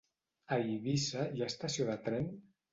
A Eivissa hi ha estació de tren?